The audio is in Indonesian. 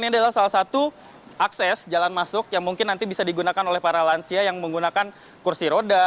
ini adalah salah satu akses jalan masuk yang mungkin nanti bisa digunakan oleh para lansia yang menggunakan kursi roda